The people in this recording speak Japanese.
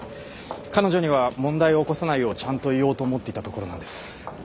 彼女には問題を起こさないようちゃんと言おうと思っていたところなんです。